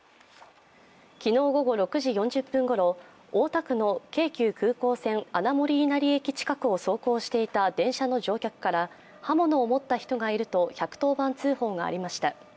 昨日午後６時４０分ごろ大田区の京急空港線、穴守稲荷駅近くを走行していた電車の乗客から刃物を持った人がいると１１０番通報がありました。